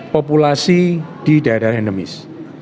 populasi di daerah endemis